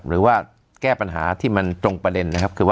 หรือว่าแก้ปัญหาที่มันตรงประเด็นนะครับ